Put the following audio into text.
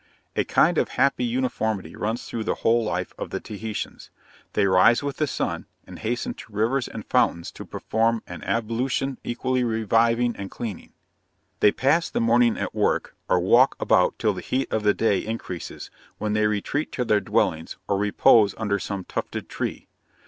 A kind of happy uniformity runs through the whole life of the Taheitans. They rise with the sun, and hasten to rivers and fountains to perform an ablution equally reviving and cleanly. They pass the morning at work, or walk about till the heat of the day increases, when they retreat to their dwellings, or repose under some tufted tree.